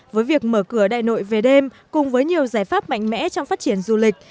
với việc mở cửa đại nội về đêm cùng với nhiều giải pháp mạnh mẽ trong phát triển du lịch